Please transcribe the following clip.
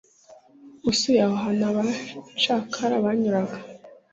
usuye aho hantu abacakara banyuraga,